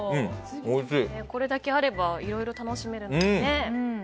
これだけあればいろいろ楽しめますね。